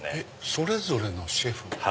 それぞれのシェフ？